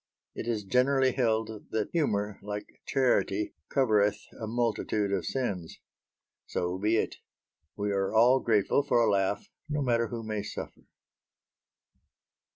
It is generally held that humour, like charity, covereth a multitude of sins. So be it. We are all grateful for a laugh no matter who may suffer.